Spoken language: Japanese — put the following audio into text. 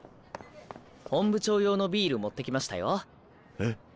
本部長用のビール持ってきましたよ。え？